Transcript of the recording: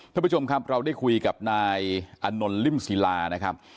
ท่านผู้ชมครับเราได้คุยกับนายอานนท์ริ่มศิลานะครับ